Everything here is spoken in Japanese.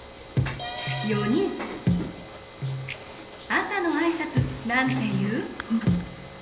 あさのあいさつなんていう？